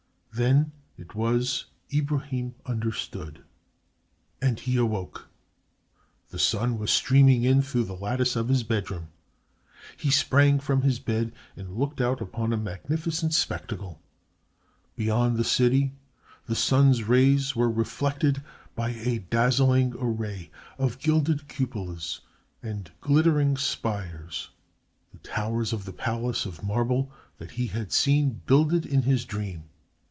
Then it was Ibrahim understood and he awoke. The sun was streaming in through the lattice of his bedroom. He sprang from his bed and looked out upon a magnificent spectacle. Beyond the city the sun's rays were reflected by a dazzling array of gilded cupolas and glittering spires, the towers of the palace of marble that he had seen builded in his dream.